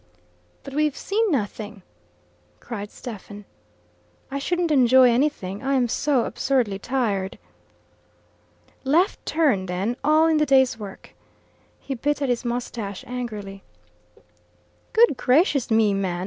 "But we've seen nothing!" cried Stephen. "I shouldn't enjoy anything, I am so absurdly tired." "Left turn, then all in the day's work." He bit at his moustache angrily. "Good gracious me, man!